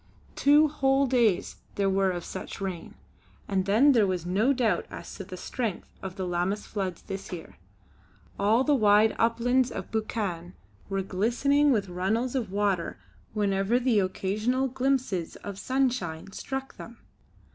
Two whole days there were of such rain, and then there was no doubt as to the strength of the Lammas floods this year. All the wide uplands of Buchan were glistening with runnels of water whenever the occasional glimpses of sunshine struck them.